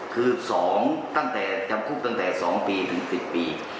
คือจำกุกต่างตั้งแต่๒ปีถึง๑๐ปี